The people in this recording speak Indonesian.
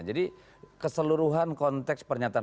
jadi keseluruhan konteks pernyataan